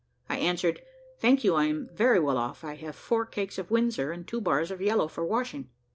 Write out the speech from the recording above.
I answered, "Thank you, I am very well off; I have four cakes of Windsor, and two bars of yellow for washing."